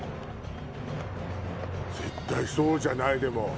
絶対そうじゃない？でも。